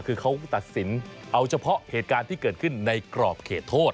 คือเขาตัดสินเอาเฉพาะเหตุการณ์ที่เกิดขึ้นในกรอบเขตโทษ